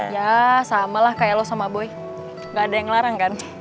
ya sama lah kayak lo sama boy nggak ada yang ngelarang kan